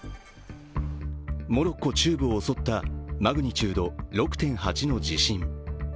モロッコ中部を襲ったマグニチュード６．８の地震。